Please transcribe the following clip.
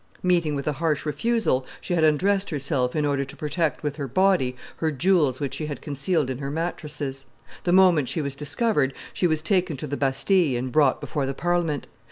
Meeting with a harsh refusal, she had undressed herself in order to protect with her body her jewels which she had concealed in her mattresses. The moment she was discovered, she was taken to the Bastille and brought before the Parliament.